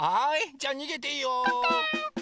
じゃあにげていいよ！